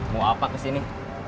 mau apa kesini